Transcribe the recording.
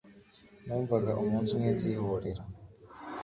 numvaga umunsi umwe nzihorera